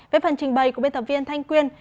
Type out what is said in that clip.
với phần trình bày của biên tập viên thanh quyên